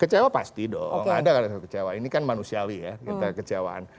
kecewa pasti dong ada karena saya kecewa ini kan manusiawi ya kita kecewaan